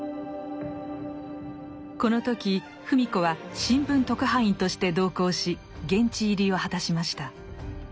この時芙美子は新聞特派員として同行し現地入りを果たしました。